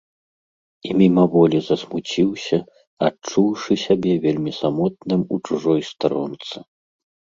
І мімаволі засмуціўся, адчуўшы сябе вельмі самотным у чужой старонцы.